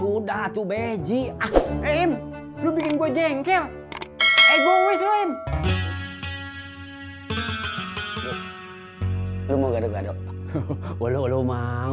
udah tuh beji ah em lo bikin gue jengkel egois lo em lo mau gaduh gaduh walaulau mau